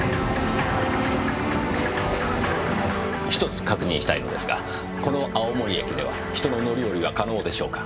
１つ確認したいのですがこの青森駅では人の乗り降りは可能でしょうか？